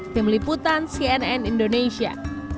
tim liputan cnn indonesia